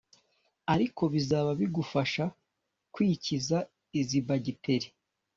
ariko bizaba bigufasha kwikiza izi bagiteri.